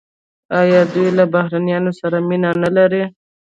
آیا دوی له بهرنیانو سره مینه نلري؟